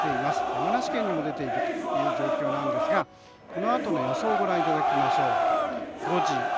山梨県にも出ている状況でこのあとの予想をご覧いただきましょう。